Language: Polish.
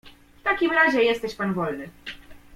"W takim razie jesteś pan wolny."